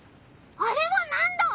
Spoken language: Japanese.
あれはなんだ？